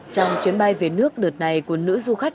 trong chuyến bay về nước đợt này của nữ du khách